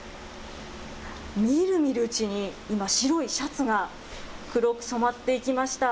みるみるうちに今、白いシャツが黒く染まっていきました。